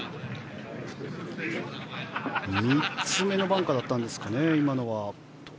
３つ目のバンカーだったんですかね。